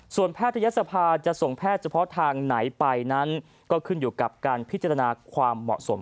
แพทยศภาจะส่งแพทย์เฉพาะทางไหนไปนั้นก็ขึ้นอยู่กับการพิจารณาความเหมาะสม